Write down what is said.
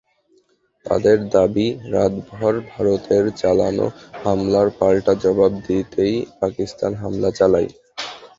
তাঁদের দাবি, রাতভর ভারতের চালানো হামলার পাল্টা জবাব দিতেই পাকিস্তান হামলা চালায়।